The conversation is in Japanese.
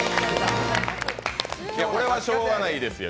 これはしようがないですよ。